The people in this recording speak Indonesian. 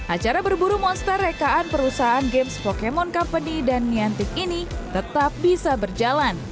acara berburu monster rekaan perusahaan games pokemon company dan niantic ini tetap bisa berjalan